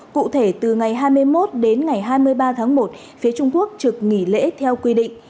cụ thể từ ngày hai mươi một đến ngày hai mươi ba tháng một phía trung quốc trực nghỉ lễ theo quy định